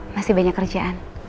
masih banyak kerjaan